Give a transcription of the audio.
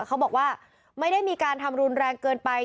เขาบอกว่าไม่ได้มีการทำรุนแรงเกินไป